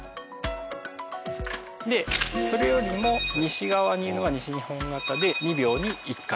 でそれよりも西側にいるのが西日本型で２秒に１回。